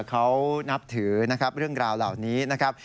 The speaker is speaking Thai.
เขานับถือนะครับเรื่องราวเหล่านี้นะครับ